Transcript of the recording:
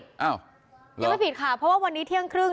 ยังไม่ปิดค่ะเพราะว่าวันนี้เที่ยงครึ่ง